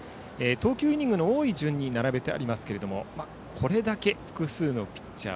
投球イニングの多い順に並べてありますがこれだけ複数のピッチャー